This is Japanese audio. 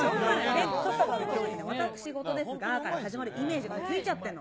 結婚報告に、私事ですがから始まるイメージがついちゃってるの。